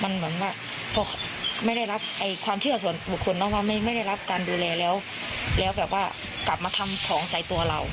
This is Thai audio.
มันเหมือนว่ามันไม่ได้รับไห้ความเที่ยวส่วนหมดขนมันไม่ได้รับการดูแลแล้วและแบบว่ากลับมาทำของใส่ตัวเรา